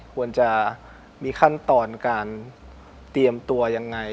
ควรจะมีขั้นตอนการเตรียมตัวยังไง